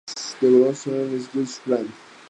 The host hotel was the Wilshire Grand.